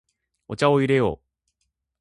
お茶を入れよう。